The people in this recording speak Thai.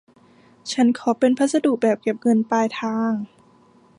ฉันขอเป็นพัสดุแบบเก็บเงินปลายทาง